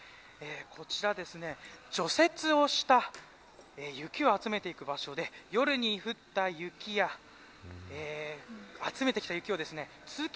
こちら除雪をした雪を集めていく場所で夜に降った雪や集めてきた雪を通勤